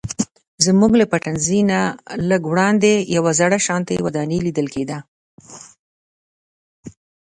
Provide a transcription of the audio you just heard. زموږ له پټنځي نه لږ وړاندې یوه زړه شانتې ودانۍ لیدل کیده.